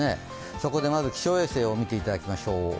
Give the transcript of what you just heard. そこでまず気象衛星を見ていただきましょう。